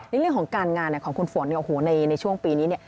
ในเรื่องของการงานของคุณฝนในช่วงปีนี้เนี่ย